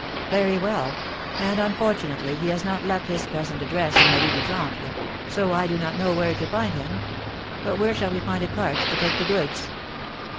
"Very well; and, unfortunately, he has not left his present address in the Rue du Temple, so I do not know where to find him. But where shall we find a cart to take the goods?"